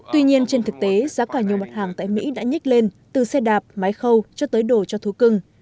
tuy nhiên trên thực tế giá cả nhiều mặt hàng tại mỹ đã nhích lên từ xe đạp máy khâu cho tới đồ cho thú cưng